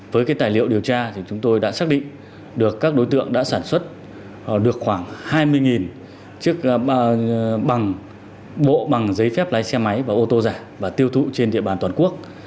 với cái tài liệu điều tra thì chúng tôi đã xác định được các đối tượng đã sản xuất được khoảng hai mươi chiếc bằng bộ bằng giấy phép lái xe máy và ô tô giả và tiêu thụ trên địa bàn toàn quốc